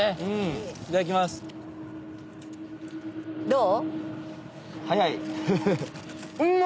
どう？